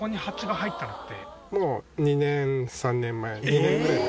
もう２年３年前２年ぐらい前。